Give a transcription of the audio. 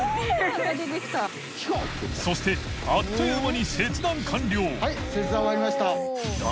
磴修靴あっという間に切断完了所長）